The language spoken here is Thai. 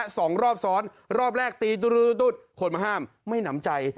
สองรอบซ้อนรอบแรกตีตุ๊ดคนมาห้ามไม่หนำใจ